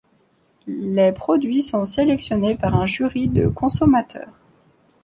Les produits sont sélectionnés par un jury de consommateurs.